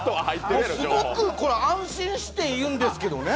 すごくこれ、安心しているんですけどね。